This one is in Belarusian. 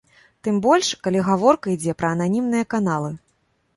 Тым больш, калі гаворка ідзе пра ананімныя каналы.